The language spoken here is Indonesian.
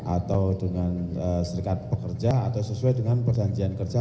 atau dengan serikat pekerja atau sesuai dengan perjanjian kerja